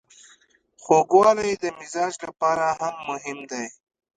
خوږوالی د مزاج لپاره هم مهم دی.